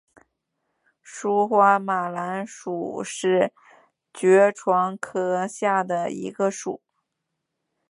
疏花马蓝属是爵床科下的一个属。